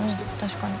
確かに。